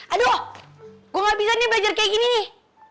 aduh gue gak bisa nih belajar kayak gini nih